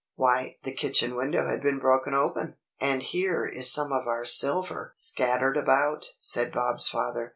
"Why the kitchen window has been broken open, and here is some of our silver scattered about," said Bob's father.